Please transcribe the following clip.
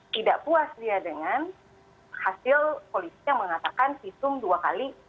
tidak puas dia dengan hasil polisi yang mengatakan visum dua kali